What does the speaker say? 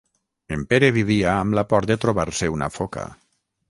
En Pere vivia amb la por de trobar-se una foca.